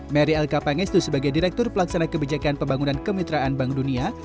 mary el kapangestu sebagai direktur pelaksana kebijakan pembangunan kemitraan bank dunia